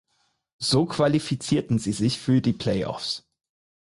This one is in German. So qualifizierten sie sich für die Playoffs.